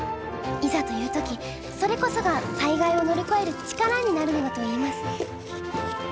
イザというときそれこそが災害をのりこえる「力」になるのだといいます。